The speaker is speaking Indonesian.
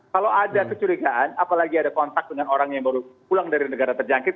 kalau ada kecurigaan apalagi ada kontak dengan orang yang baru pulang dari negara terjangkit